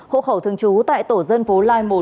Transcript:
hộ khẩu thường trú tại tổ dân phố lai một